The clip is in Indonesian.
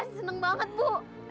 papa pasti seneng banget bu